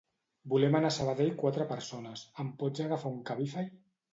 Volem anar a Sabadell quatre persones, ens pots agafar un Cabify?